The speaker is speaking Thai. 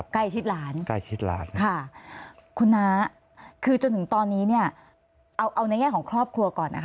ใกล้ชิดหลานใกล้ชิดหลานค่ะคุณน้าคือจนถึงตอนนี้เนี่ยเอาเอาในแง่ของครอบครัวก่อนนะคะ